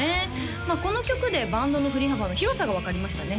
まあこの曲でバンドの振り幅の広さが分かりましたね